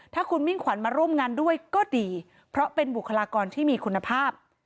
ถ้าคุณมิ่งขวัญมาร่วมงานด้วยก็ดีเพราะเป็นบุคลากรที่มีคุณภาพ